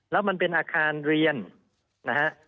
แล้วมันเป็นอาคารเรียนนะฮะ